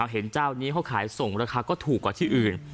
เห็นเจ้านี้เขาขายส่งราคาก็ถูกกว่าที่อื่น